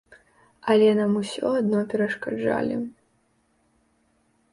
Але нам усё адно перашкаджалі.